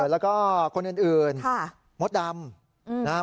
แล้วก็คนอื่นมดดำ